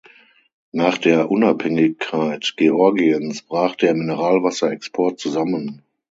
Nach der Unabhängigkeit Georgiens brach der Mineralwasser-Export zusammen.